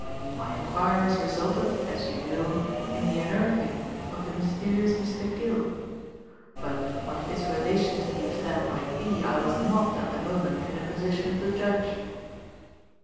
My enquiries resulted, as you know, in the unearthing of the mysterious Mr. Gill, but what his relation to the affair might be I was not, at the moment, in a position to judge.